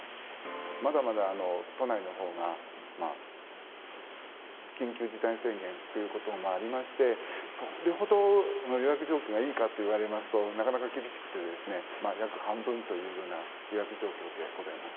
まだまだ都内のほうが、緊急事態宣言ということもありまして、それほど予約状況がいいかといわれますと、なかなか厳しくて、約半分というような予約状況でございます。